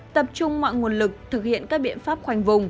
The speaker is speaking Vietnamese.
tập trung mọi nguồn lực thực hiện các biện pháp khoanh vùng